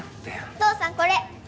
お父さんこれ。